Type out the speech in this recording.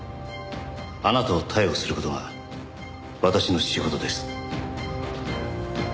あなたを逮捕する事が私の仕事です。